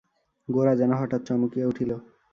গোরা যেন হঠাৎ চমকিয়া উঠিল।